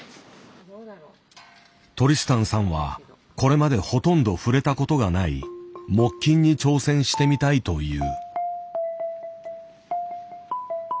トリスタンさんはこれまでほとんど触れたことがない木琴に挑戦してみたいと言う。